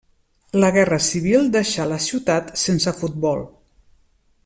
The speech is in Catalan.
La Guerra Civil deixà la ciutat sense futbol.